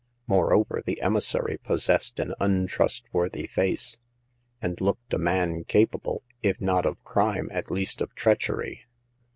Moreover, the emissary pos sessed an untrustworthy face, and looked a man capable, if not of crime, at least of treachery.